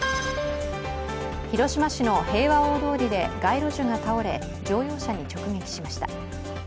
広島市の平和大通りで街路樹が倒れ、乗用車に直撃しました。